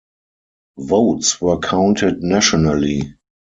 Votes were counted nationally.